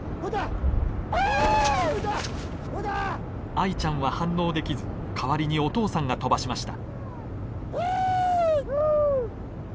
アイちゃんは反応できず代わりにお父さんが飛ばしました。